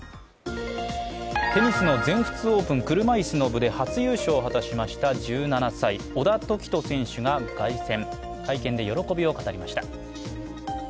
テニスの全仏オープン車いすの部で初優勝を果たしました小田凱人選手が凱旋、会見で喜びを語りました。